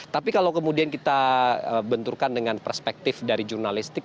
tapi kalau kemudian kita benturkan dengan perspektif dari jurnalistik